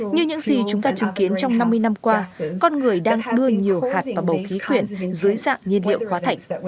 như những gì chúng ta chứng kiến trong năm mươi năm qua con người đang đưa nhiều hạt và bầu khí khuyển dưới dạng nhiên liệu hóa thạch